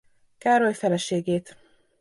Károly feleségét.